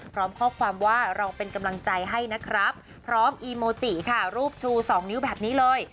พร้อมข้อความว่าเราเป็นกำลังใจให้นะครับพร้อมอีโมจิค่ะรูปชูสองนิ้วแบบนี้เลย